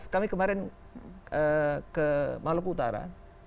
dua ribu sembilan belas kami kemarin ke maluku utara